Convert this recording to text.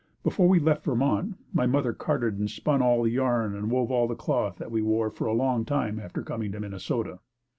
Before we left Vermont, my mother carded and spun all the yarn and wove all the cloth that we wore for a long time after coming to Minnesota.